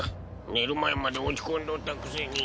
寝る前まで落ち込んどったくせに。